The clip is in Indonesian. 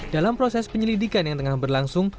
dalam proses penyelidikan yang tengah berlangsung